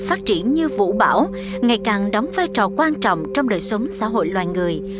phát triển như vũ bảo ngày càng đóng vai trò quan trọng trong đời sống xã hội loài người